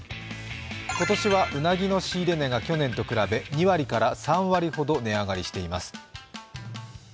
今年はうなぎの仕入れ値が去年と比べ、２割から３割ほど値上がりしています。